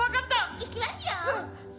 行きますよ。